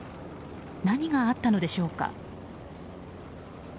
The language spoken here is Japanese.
何があったのでしょうか。